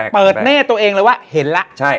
เน่ตัวเองเลยว่าเห็นแล้ว